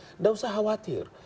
tidak usah khawatir